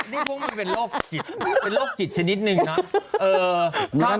นี่พวกมันเป็นโรคจิตเป็นโรคจิตชนิดนึงนะ